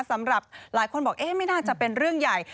สำหรับหลายคนบอกไม่น่าจะเป็นเรื่องใหญ่